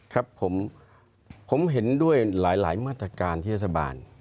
ครับผมเห็นด้วยหลายมาตรการที่เทศบาล